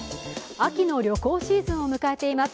秋の旅行シーズンを迎えています。